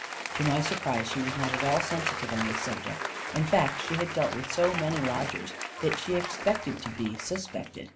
To my surprise she was not at all sensitive on this subject. In fact she had dealt with so many lodgers, that she expected to be suspected.